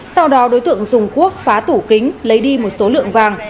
sau đó đối tượng dùng quốc phá tủ kính lấy đi một số lượng vàng